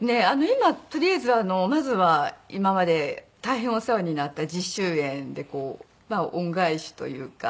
今とりあえずまずは今まで大変お世話になった実習園で恩返しというか